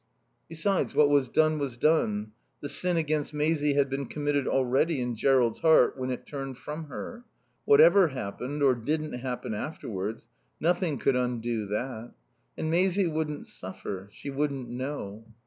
Besides, what was done was done. The sin against Maisie had been committed already in Jerrold's heart when it turned from her. Whatever happened, or didn't happen, afterwards, nothing could undo that. And Maisie wouldn't suffer. She wouldn't know.